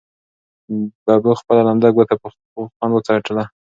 ببو خپله لمده ګوته په خوند وڅټله.